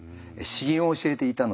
詩吟を教えていたので。